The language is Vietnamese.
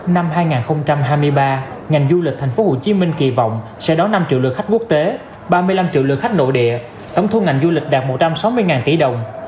năm hai nghìn hai mươi ba ngành du lịch tp hcm kỳ vọng sẽ đón năm triệu lượt khách quốc tế ba mươi năm triệu lượt khách nội địa tổng thu ngành du lịch đạt một trăm sáu mươi tỷ đồng